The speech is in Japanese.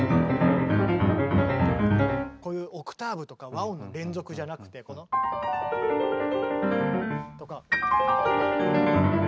こういうオクターブとか和音の連続じゃなくてこの。とか。